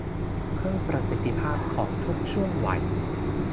เพิ่มประสิทธิภาพของทุกช่วงวัย